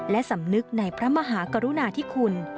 และสำนึกในพระมหากรุณาธิคุณ